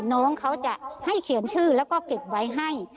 น้องเขาจะให้เขียนชื่อแล้วก็เก็บไว้ให้